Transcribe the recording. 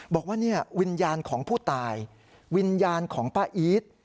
บอกว่าเนี่ยวิญญาณของผู้ตายวิญญาณของป้าอีท